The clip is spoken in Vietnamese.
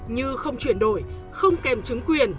như không chuyển đổi không kèm chứng quyền